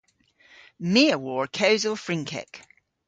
My a wor kewsel Frynkek.